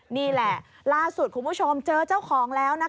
นี่แหละล่าสุดคุณผู้ชมเจอเจ้าของแล้วนะคะ